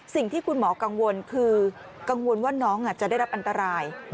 สิ่งที่คุณหมอกังวลคือกังวลว่าน้องจะได้รับอันตราย